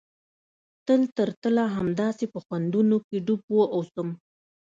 تل تر تله همداسې په خوندونو کښې ډوب واوسم.